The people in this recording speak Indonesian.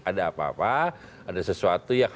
ada apa apa ada sesuatu yang